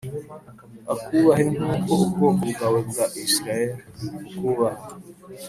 akubahe nk’uko ubwoko bwawe bwa Isirayeli bukubaha